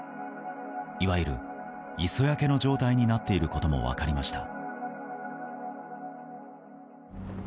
いわゆる磯焼けの状態になっていることも分かりました。